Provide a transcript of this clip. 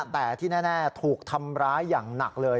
แต่ที่แน่ถูกทำร้ายอย่างหนักเลย